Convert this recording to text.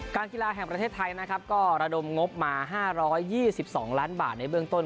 การกีฬาแห่งประเทศไทยระดมงบมา๕๒๒ล้านบาทในเบื้องต้น